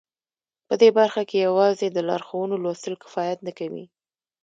په دې برخه کې یوازې د لارښوونو لوستل کفایت نه کوي